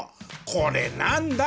これなんだ？